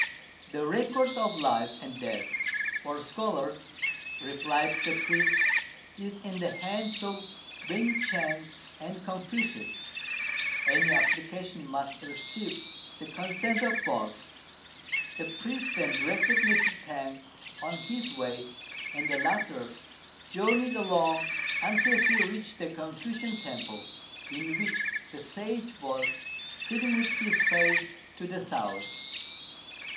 "The record of life and death for scholars," replied the priest, "is in the hands of Wên ch'ang and Confucius; any application must receive the consent of both." The priest then directed Mr. T'ang on his way, and the latter journeyed along until he reached a Confucian temple, in which the Sage was sitting with his face to the south.